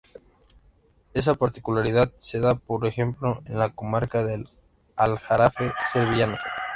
Esa particularidad se da, por ejemplo, en la comarca del Aljarafe sevillano.